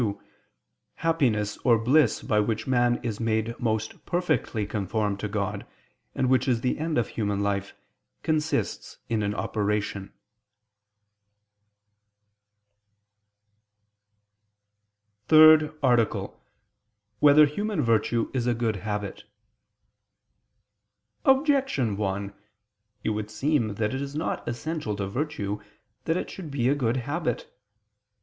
2), happiness or bliss by which man is made most perfectly conformed to God, and which is the end of human life, consists in an operation. ________________________ THIRD ARTICLE [I II, Q. 55, Art. 3] Whether Human Virtue Is a Good Habit? Objection 1: It would seem that it is not essential to virtue that it should be a good habit.